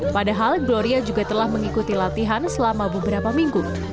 padahal gloria juga telah mengikuti latihan selama beberapa minggu